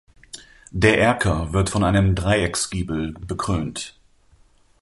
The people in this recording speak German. Der Erker wird von einem Dreiecksgiebel bekrönt.